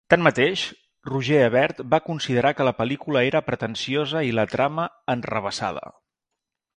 Tanmateix, Roger Ebert va considerar que la pel·lícula era pretensiosa i la trama enrevessada.